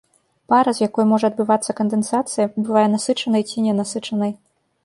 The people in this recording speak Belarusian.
Пара, з якой можа адбывацца кандэнсацыя, бывае насычанай ці ненасычанай.